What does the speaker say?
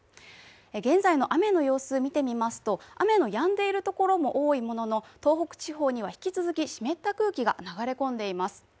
現在の雨の様子、見ていきますと、雨がやんでいるところも多いものの東北地方には引き続き、湿った空気が流れ込んでいます。